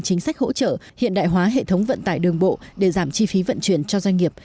chính sách hỗ trợ hiện đại hóa hệ thống vận tải đường bộ để giảm chi phí vận chuyển cho doanh nghiệp